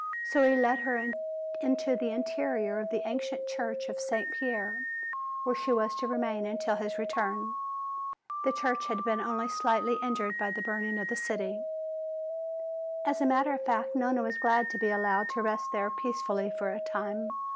So he led her into the interior of the ancient Church of St. Pierre, where she was to remain until his return. The church had been only slightly injured by the burning of the city. As a matter of fact, Nona was glad to be allowed to rest there peacefully for a time.